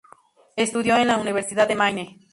Estudió en la Universidad de Maine.